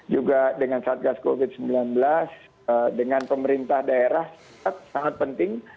juga dengan satgas covid sembilan belas dengan pemerintah daerah sangat penting